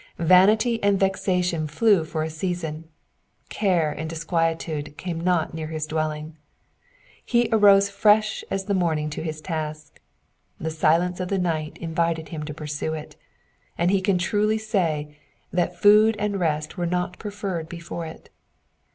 Vanity and vexation flew for a season, care and disquietude c^ime not near his dwelling. He arose fresh as the morning to his task ; the silence of the night invited him to pursue it ; and he can truly say, that food and rest were not preferred before it.